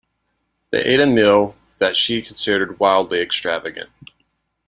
They ate a meal that she considered wildly extravagant.